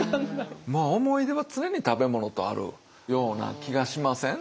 思い出は常に食べ物とあるような気がしません？